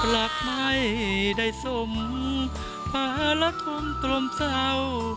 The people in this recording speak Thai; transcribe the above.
หลักไม่ได้สมภารคมตรมเศร้า